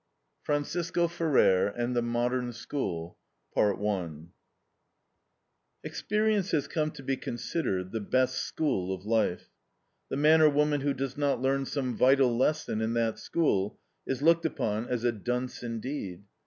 FRANCISCO FERRER AND THE MODERN SCHOOL Experience has come to be considered the best school of life. The man or woman who does not learn some vital lesson in that school is looked upon as a dunce indeed.